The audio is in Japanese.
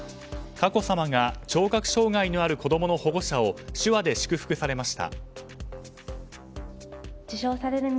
佳子さまが聴覚障害のある子供の保護者を手話で祝福されました。